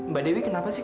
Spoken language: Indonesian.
mbak dewi kenapa sih